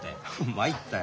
参ったよ。